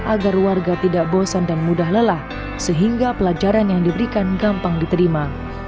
agar warga tidak bosan dan mudah lelah sehingga pelajaran yang diberikan gampang diterima